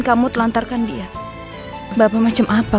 khususnya aka renyah yang sekarang